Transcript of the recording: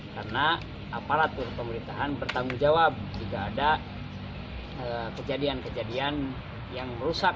karena aparatur pemerintahan bertanggung jawab jika ada kejadian kejadian yang merusak